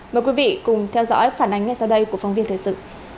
mời quý vị cùng theo dõi phản ánh ngay sau đây của phóng viên thời sự